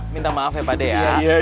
minta maaf ya pak dek ya